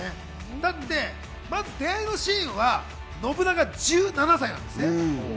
だって、まず出会いのシーンは信長１７歳なんですね。